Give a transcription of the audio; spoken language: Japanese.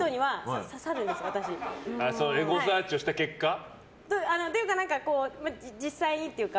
エゴサーチをした結果？というか、実際にというか。